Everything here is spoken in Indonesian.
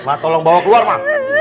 ma tolong bawa keluar mah